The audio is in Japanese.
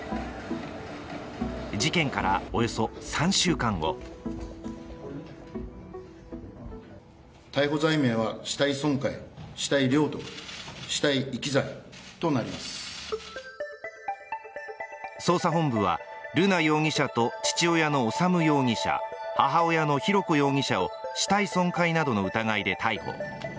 事件からおよそ３週間後捜査本部は、瑠奈容疑者と父親の修容疑者母親の浩子容疑者を死体損壊などの疑いで逮捕。